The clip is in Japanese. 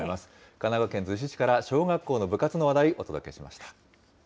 神奈川県逗子市から、小学校の部活の話題、お届けしました。